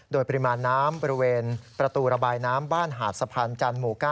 โดยปริมาณน้ำบริเวณประตูระบายน้ำบ้านหาดสะพานจันทร์หมู่๙